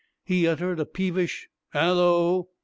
He uttered a peevish "Halloo!"